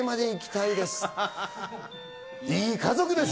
いい家族です。